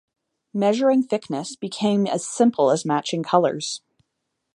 Measuring thickness became as simple as matching colors.